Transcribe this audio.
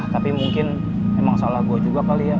tapi mungkin emang salah gue juga kali ya